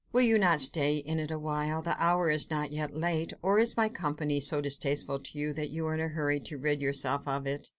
Will you not stay in it awhile; the hour is not yet late, or is my company so distasteful to you, that you are in a hurry to rid yourself of it?"